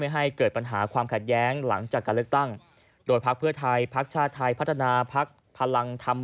ให้เกิดปัญหาความขาดแย้งหลังจากการเลือกตั้ง